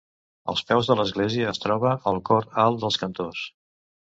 Als peus de l'església es troba el Cor Alt dels Cantors.